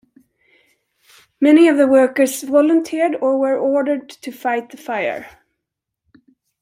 Many of the workers volunteered or were ordered to fight the fire.